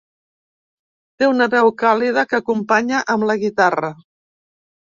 Té una veu càlida que acompanya amb la guitarra.